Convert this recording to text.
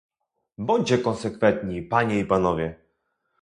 Bądźcie konsekwentni, panie i panowie!